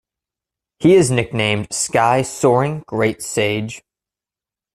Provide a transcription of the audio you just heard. He is nicknamed "Sky Soaring Great Sage".